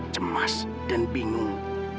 cemas dan bingung